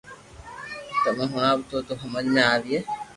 تمو ھڻاويو تو ھمج ۾ آوئي